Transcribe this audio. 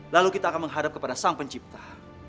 lalu kita akan menghadap kepada sang pencipta